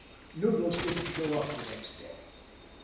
Noodles didn't show up the next day.